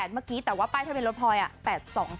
๘๗๘เมื่อกี้แต่ว่าป้ายถ้าเป็นรถพลอยอะ